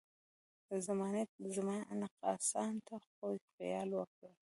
زمانې زما نقصان ته خو خیال وکړه.